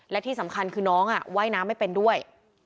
และที่สำคัญคือน้องว่ายน้ำไม่เป็นด้วย